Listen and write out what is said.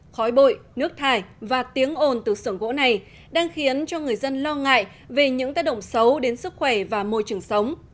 khói bụi nước thải và tiếng ồn từ sưởng gỗ này đang khiến cho người dân lo ngại về những tác động xấu đến sức khỏe và môi trường sống